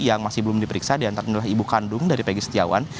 yang masih belum diperiksa diantara ibu kandung dari pegi setiawan